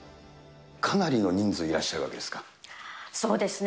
かなりの人数いらっしゃるわそうですね。